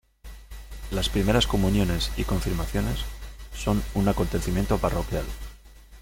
Las Primeras Comuniones y Confirmaciones son un acontecimiento parroquial.